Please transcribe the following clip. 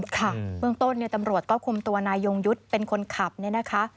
ค่ะเบื้องต้นเนี่ยตำรวจก็คุมตัวนายยงยุทธ์เป็นคนขับเนี่ยนะคะ